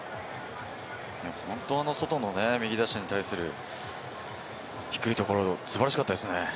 本当に外の右打者に対する低いところ、素晴らしかったですね。